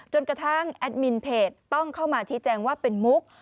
กระทั่งแอดมินเพจต้องเข้ามาชี้แจงว่าเป็นมุก